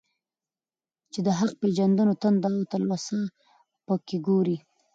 چي د حق پېژندو تنده او تلوسه په كي گورې.